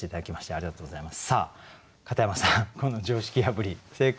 ありがとうございます。